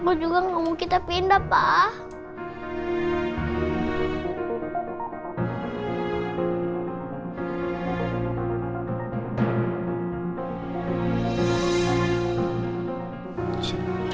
aku juga gak mau kita pindah pak